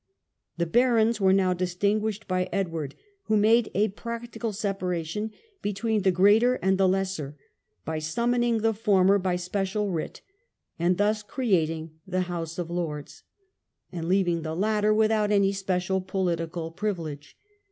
The barons were now distinguished by Edward, who made a practical separation between the greater and the lesser, by summoning the former by special writ — and thus creating the House of Lords — ^and leaving the latter 88 FOREIGN WARS. without any special political privilege.